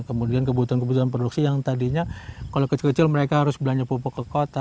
kemudian kebutuhan kebutuhan produksi yang tadinya kalau kecil kecil mereka harus belanja pupuk ke kota